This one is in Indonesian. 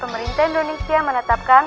pemerintah indonesia menetapkan